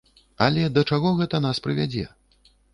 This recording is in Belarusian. Але да чаго гэта нас прывядзе?